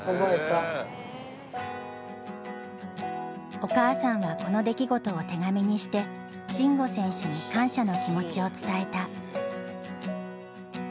お母さんはこの出来事を手紙にして慎吾選手に感謝の気持ちを伝えた。